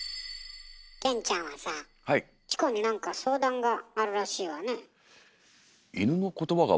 顕ちゃんはさチコに何か相談があるらしいわね。